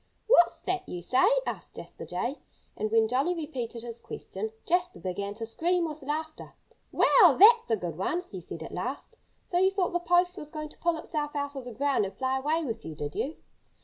"What's that you say?" asked Jasper Jay. And when Jolly repeated his question, Jasper began to scream with laughter. "Well, that's a good one!" he said at last. "So you thought the post was going to pull itself out of the ground and fly away with you, did you?"